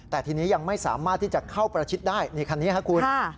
แต่ทีนี้ยังไม่สามารถที่จะเข้าประชิดได้นี่คันนี้ครับคุณ